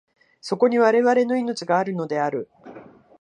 そこに我々の生命があるのである。